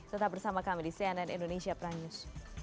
tetap bersama kami di cnn indonesia pranews